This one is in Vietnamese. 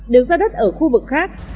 được ra đất ở khu vực khác